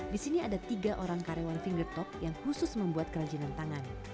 di sini ada tiga orang karyawan finger talk yang khusus membuat kerajinan tangan